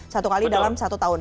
satu kali dalam satu tahun